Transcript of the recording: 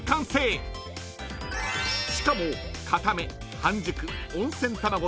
［しかも］